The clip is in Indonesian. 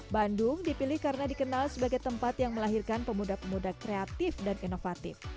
bandung dipilih karena dikenal sebagai tempat yang melahirkan pemuda pemuda kreatif dan inovatif